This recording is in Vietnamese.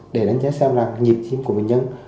để đánh giá xem là nhiệp chậm của bệnh nhân